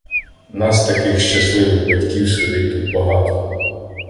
Нас, таких "щасливих” батьків, сидить тут багато.